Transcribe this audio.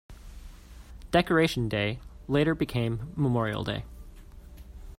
Decoration Day later became Memorial Day.